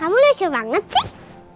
kamu lucu banget sih